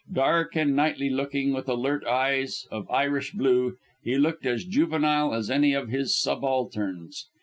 Dark and knightly looking, with alert eyes of Irish blue, he looked as juvenile as any of his subalterns.